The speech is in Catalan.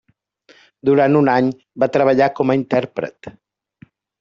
Durant un any va treballar com a intèrpret.